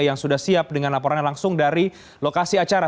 yang sudah siap dengan laporannya langsung dari lokasi acara